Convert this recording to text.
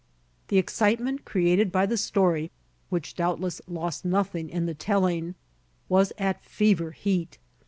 The excitement created by the story, which doubtless lost nothing in the telling, was at fever heat.